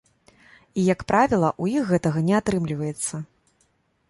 І як правіла, у іх гэтага не атрымліваецца.